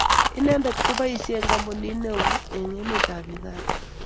Inendet koboishei eng kampunit neo eng emet ab Uganda